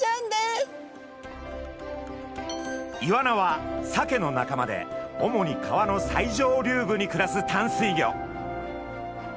イワナはサケの仲間で主に川の最上流部に暮らす淡水魚。